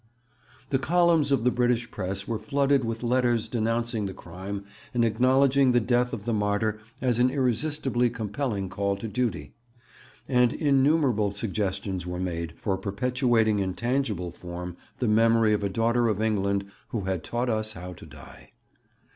The columns of the British press were flooded with letters denouncing the crime and acknowledging the death of the martyr as an irresistibly compelling call to duty; and innumerable suggestions were made for perpetuating in tangible form the memory of a daughter of England who had taught us how to die.